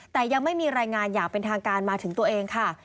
แต่ยังไม่มีรายงานอย่างเป็นทางการมาถึงตัวเองค่ะ